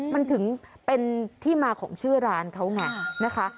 มันถึงเป็นที่มาของชื่อร้านเขาไงนะคะ